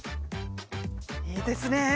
いいですね！